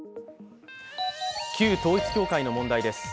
旧統一教会の問題です。